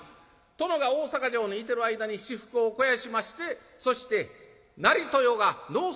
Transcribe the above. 殿が大坂城に居てる間に私腹を肥やしましてそして成豊が脳卒中で倒れてしまいます。